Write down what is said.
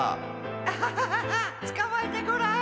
アハハつかまえてごらん。